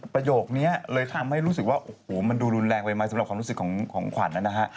ประโยคนี้เลยทำให้รู้สึกว่าโอ้โหมันดูรุนแรงไปไหมสำหรับความรู้สึกของขวัญนะฮะ